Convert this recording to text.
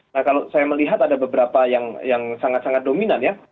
nah kalau saya melihat ada beberapa yang sangat sangat dominan ya